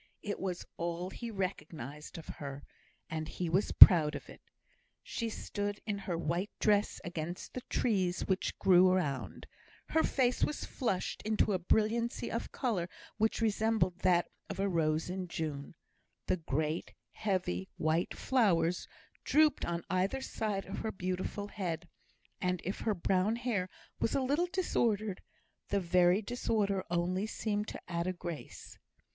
It was all he recognised of her, and he was proud of it. She stood in her white dress against the trees which grew around; her face was flushed into a brilliancy of colour which resembled that of a rose in June; the great heavy white flowers drooped on either side of her beautiful head, and if her brown hair was a little disordered, the very disorder only seemed to add a grace.